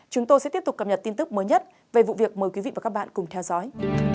chúng tôi sẽ tiếp tục cập nhật tin tức mới nhất về vụ việc mời quý vị và các bạn cùng theo dõi